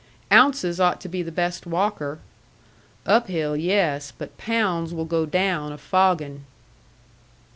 "Ounces ought to be the best walker." "Up hill, yes. But Pounds will go down a foggin'."